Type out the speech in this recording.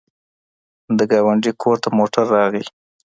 د ګاونډي کور ته موټر راغی.